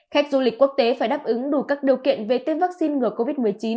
khách du lịch quốc tế phải đáp ứng đủ các điều kiện về tiêm vaccine ngừa covid một mươi chín